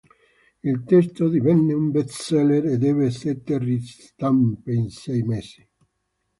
Il testo divenne un bestseller ed ebbe sette ristampe in sei mesi.